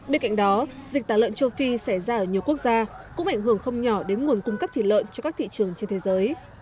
bên cạnh đó dịch tả lợn châu phi xảy ra ở nhiều quốc gia cũng ảnh hưởng không nhỏ đến nguồn cung cấp thịt lợn cho các thị trường trên thế giới